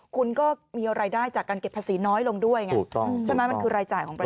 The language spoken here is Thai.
คุณก็มีรายได้จากการเก็บภาษีน้อยลงด้วยไงถูกต้องใช่ไหมมันคือรายจ่ายของประเทศ